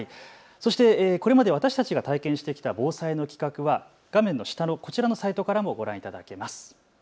そしてこれまで私たちが体験してきた防災の企画は画面下のこちらのサイトからもご覧いただけます。